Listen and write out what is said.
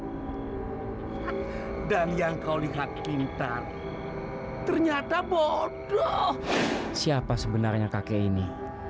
hai dengan kau lihat pindah ternyata bodoh siapa sebenarnya kakek ini